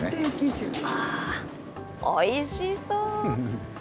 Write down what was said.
おいしそう。